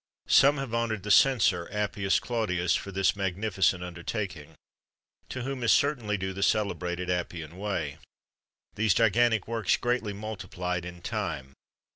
Some have honoured the censor, Appius Claudius, for this magnificent undertaking,[XXV 14] to whom is certainly due the celebrated Appian Way.[XXV 15] These gigantic works greatly multiplied in time.